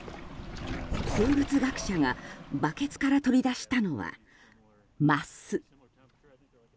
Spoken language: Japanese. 生物学者がバケツから取り出したのはマス。